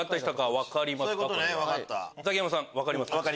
ザキヤマさん分かりますか？